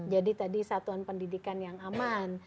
jadi tadi satuan pendidikan yang aman